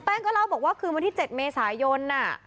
ก็เล่าบอกว่าคืนวันที่๗เมษายน